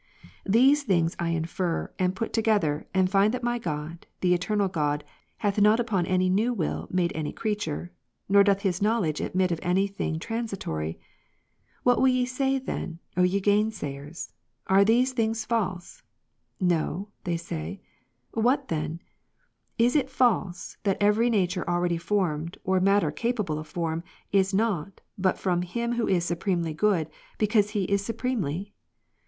These things I infer, and put together, and find that my God, the eternal God, hath not upon any new will made any creature, nor doth His knowledge admit of any thing transitory. 19. " What will ye say then, O ye gainsayers ? Are these things false ?"" No," tliey say. " What then ? Is it false, that every nature already formed, or matter capable of form, is not, but from Him Who is supremely good, because He is supremely?"